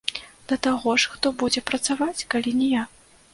Да таго ж, хто будзе працаваць, калі не я?